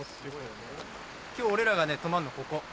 今日俺らが泊まるのここ。